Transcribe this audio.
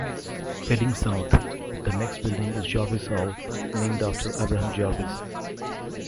Heading south, the next building is Jarvis Hall, named after Abraham Jarvis.